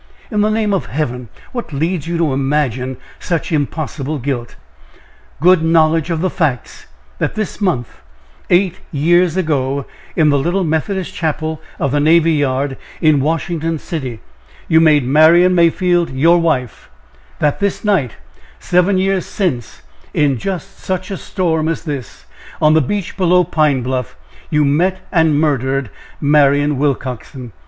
"In the name of Heaven, what leads you to imagine such impossible guilt!" "Good knowledge of the facts that this month, eight years ago, in the little Methodist chapel of the navy yard, in Washington City, you made Marian Mayfield your wife that this night seven years since, in just such a storm as this, on the beach below Pine Bluff, you met and murdered Marian Willcoxen!